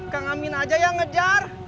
kang amin aja yang ngejar